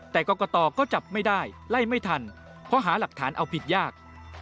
แต่กรกตก็จับไม่ได้ไล่ไม่ทันเพราะหาหลักฐานเอาผิดยาก